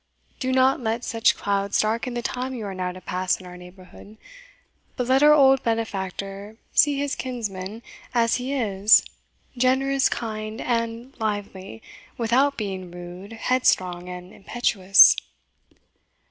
Do not let such clouds darken the time you are now to pass in our neighbourhood, but let our old benefactor see his kinsman as he is generous, kind, and lively, without being rude, headstrong, and impetuous."